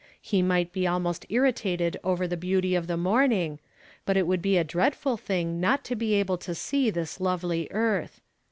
He might be almost irritated over the beauty of the morning, but it would bo a (headful thing not to be able to see this lovely earth.